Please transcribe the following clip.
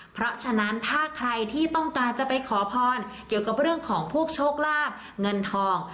เพราะฉะนั้นถ้าใครที่ต้องการจะไปขอพรเกี่ยวกับเรื่องของพวกโชคลาภเงินทอง